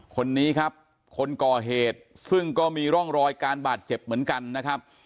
คนนี้ครับคนก่อเหตุซึ่งก็มีร่องรอยการบาดเจ็บเหมือนกันนะครับ